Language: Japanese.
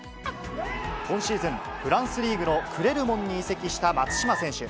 今シーズン、フランスリーグのクレルモンに移籍した松島選手。